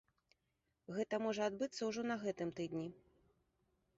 Гэта можа адбыцца ўжо на гэтым тыдні.